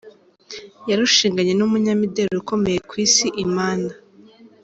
Yarushinganye n’umunyamideli ukomeye ku Isi Iman.